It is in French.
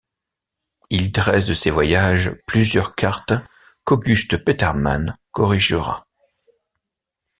Il dresse de ses voyages plusieurs cartes qu'August Petermann corrigera.